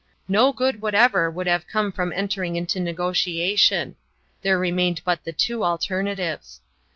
No good whatever would have come from entering into negotiation; there remained but the two alternatives.